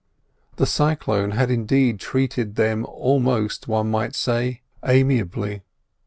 The cyclone had indeed treated them almost, one might say, amiably.